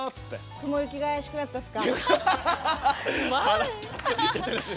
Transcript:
雲行きが怪しくなってますか？